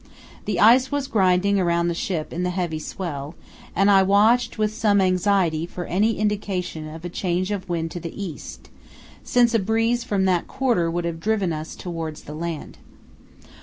The ice was grinding around the ship in the heavy swell, and I watched with some anxiety for any indication of a change of wind to the east, since a breeze from that quarter would have driven us towards the land.